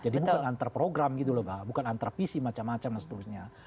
jadi bukan antar program gitu loh mbak bukan antar visi macam macam dan seterusnya